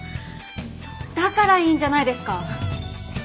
だからいいんじゃないですか！